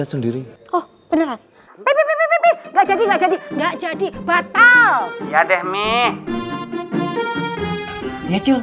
oh beneran enggak jadi enggak jadi enggak jadi batal ya deh